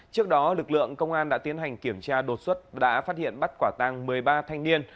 trước đó lực lượng công an đã tiến hành kiểm tra đột xuất đã phát hiện bắt quả tăng một mươi ba thanh niên